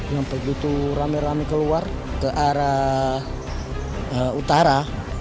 yang begitu rame rame keluar ke arah utara